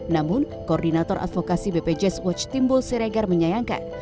namun koordinator advokasi bpjs watch timbul siregar menyayangkan